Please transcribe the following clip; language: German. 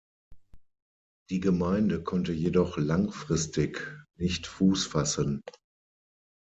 Die Gemeinde konnte jedoch langfristig nicht Fuß fassen.